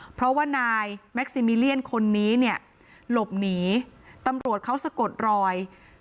เพราะว่านายแม็กซิมิเลียนคนนี้เนี่ยหลบหนีตำรวจเขาสะกดรอย